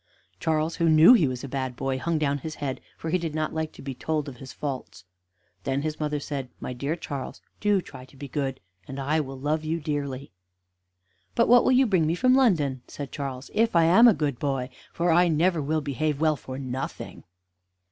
'" Charles, who knew he was a bad boy, hung down his head, for he did not like to be told of his faults. Then his mother said: "My dear Charles, do try and be good, and I will love you dearly." "But what will you bring me from London," said Charles, "if I am a good boy? for I never will behave well for nothing."